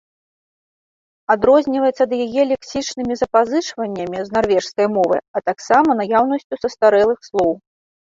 Адрозніваецца ад яе лексічнымі запазычваннямі з нарвежскай мовы, а таксама наяўнасцю састарэлых слоў.